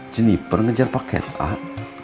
jeniper ngejar pak ketak